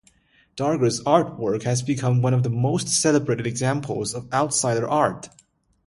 Darger's artwork has become one of the most celebrated examples of outsider art.